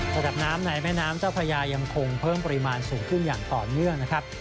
ระดับน้ำในแม่น้ำเจ้าพระยายังคงเพิ่มปริมาณสูงขึ้นอย่างต่อเนื่องนะครับ